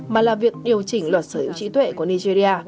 mà là việc điều chỉnh luật sở hữu trí tuệ